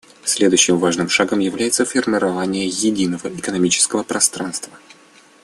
Следующим важным шагом является формирование единого экономического пространства.